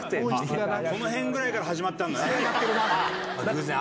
この辺ぐらいから始まったんだね。